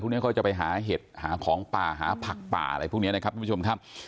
พวกนี้เขาจะไปหาเห็ดหาของป่าหาผักป่าพวกนี้ท่านผู้ชมครับ